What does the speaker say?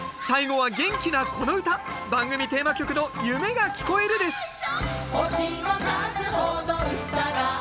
最後は元気なこの唄番組テーマ曲の「ゆめがきこえる」です